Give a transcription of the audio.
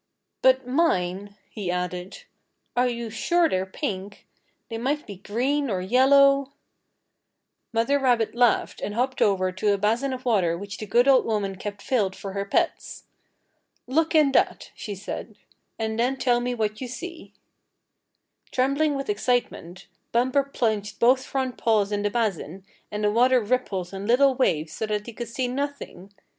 "But mine," he added, "are you sure they're pink? They might be green or yellow " Mother rabbit laughed and hopped over to a basin of water which the good old woman kept filled for her pets. "Look in that," she said, "and then tell me what you see." Trembling with excitement, Bumper plunged both front paws in the basin, and the water rippled in little waves so that he could see nothing.